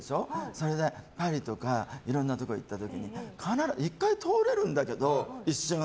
それで、パリとかいろんなところに行った時に１回通れるんだけど、一瞬。